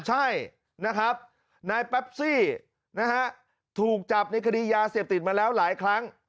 ใช่นะครับนายแปปซี่นะฮะถูกจับในคดียาเสพติดมาแล้วหลายครั้ง